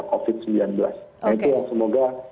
covid sembilan belas nah itu yang semoga